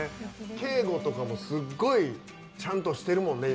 景瑚とかもすごいちゃんとしてるもんね。